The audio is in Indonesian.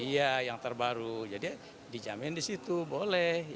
iya yang terbaru jadi dijamin di situ boleh